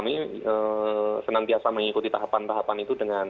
mas pram kami senantiasa mengikuti tahapan tahapan itu